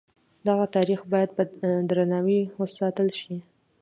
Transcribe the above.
دغه تاریخ باید په درناوي وساتل شي.